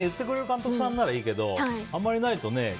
言ってくれる監督さんだといいけど、あんまりないとね。